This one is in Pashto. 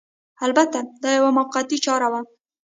البته دا یوه موقتي چاره وه